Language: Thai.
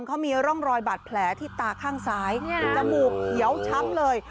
เขามีร่องรอยบาดแผลที่ตาข้างซ้ายจมูกเขียวช้ำเลย